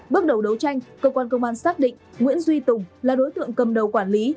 bước đầu đấu tranh cơ quan công an xác định nguyễn duy tùng là đối tượng cầm đầu quản lý